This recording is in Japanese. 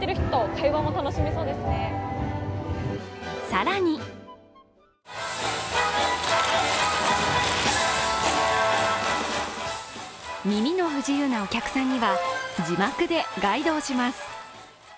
更に耳の不自由なお客さんには字幕でガイドをします。